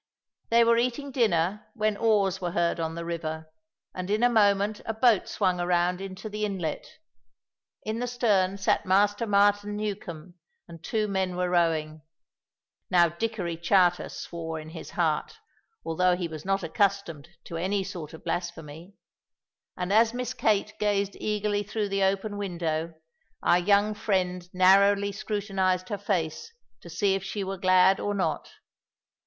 They were eating dinner when oars were heard on the river, and in a moment a boat swung around into the inlet. In the stern sat Master Martin Newcombe, and two men were rowing. Now Dickory Charter swore in his heart, although he was not accustomed to any sort of blasphemy; and as Miss Kate gazed eagerly through the open window, our young friend narrowly scrutinized her face to see if she were glad or not.